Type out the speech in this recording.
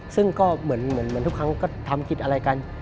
ซึ่งก็เหมือนทุกครั้งก็ทำคิดอะไรกัน